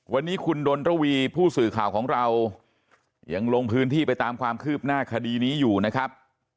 วันนี้คุณดนระวีผู้สื่อข่าวของเรายังลงพื้นที่ไปตามความคืบหน้าคดีนี้อยู่นะครับ